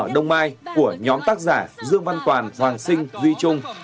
đông mai của nhóm tác giả dương văn toàn hoàng sinh duy trung